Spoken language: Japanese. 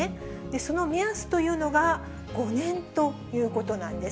その目安というのが、５年ということなんです。